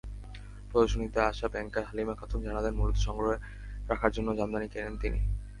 প্রদর্শনীতে আসা ব্যাংকার হালিমা খাতুন জানালেন, মূলত সংগ্রহে রাখার জন্য জামদানি কেনেন তিনি।